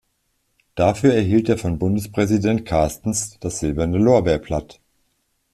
Dafür erhielt er von Bundespräsident Carstens das Silberne Lorbeerblatt.